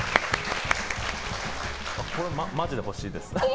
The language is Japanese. これマジで欲しいです。